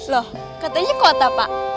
loh katanya kota pak